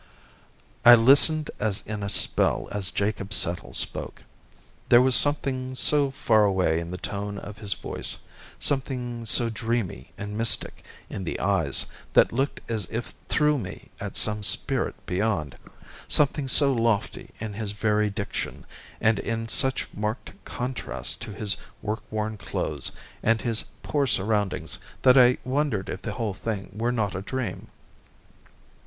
I listened as in a spell as Jacob Settle spoke. There was something so far away in the tone of his voice—something so dreamy and mystic in the eyes that looked as if through me at some spirit beyond—something so lofty in his very diction and in such marked contrast to his workworn clothes and his poor surroundings that I wondered if the whole thing were not a dream.